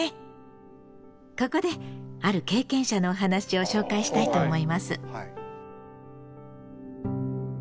ここである経験者のお話を紹介したいと思います。